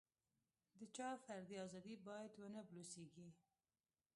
د چا فردي ازادي باید ونه بلوسېږي.